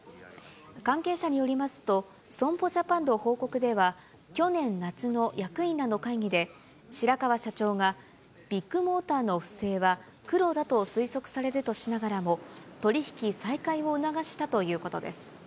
関係者によりますと、損保ジャパンの報告では、去年夏の役員らの会議で、白川社長がビッグモーターの不正はクロだと推測されるとしながらも、取り引き再開を促したということです。